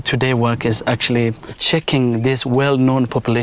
chúng tôi sẽ theo dõi những con voi ở đây